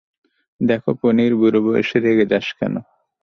দেখ পনির, বুড়ো বয়সে রেগে যাস কেন?